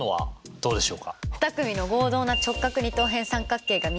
どうでしょう？